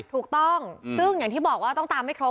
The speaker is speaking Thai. ถูกต้องซึ่งอย่างที่บอกว่าต้องตามให้ครบ